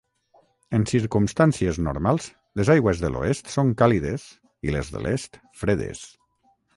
En circumstàncies normals, les aigües de l'oest són càlides i les de l'est fredes.